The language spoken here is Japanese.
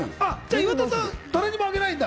岩田さん、誰にもあげないんだ？